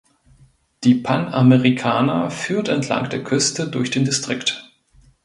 Die Panamericana führt entlang der Küste durch den Distrikt.